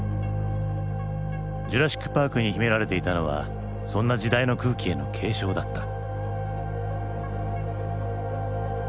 「ジュラシック・パーク」に秘められていたのはそんな時代の空気への警鐘だった。